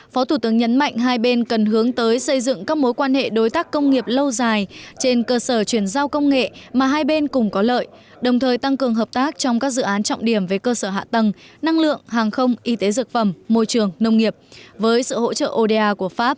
phó thủ tướng nhấn mạnh hai bên cần hướng tới xây dựng các mối quan hệ đối tác công nghiệp lâu dài trên cơ sở chuyển giao công nghệ mà hai bên cùng có lợi đồng thời tăng cường hợp tác trong các dự án trọng điểm về cơ sở hạ tầng năng lượng hàng không y tế dược phẩm môi trường nông nghiệp với sự hỗ trợ oda của pháp